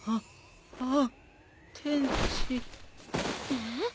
えっ？